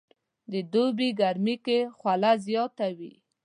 د دوبي ګرمي کې خوله زياته وي